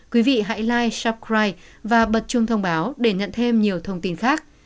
quý vị hãy like subscribe và bật chuông thông báo để nhận thêm nhiều thông tin khác